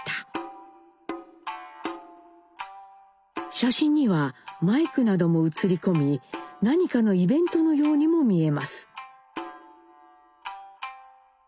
写真にはマイクなども写り込み何かのイベントのようにも見えます。